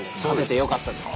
よかったんですよ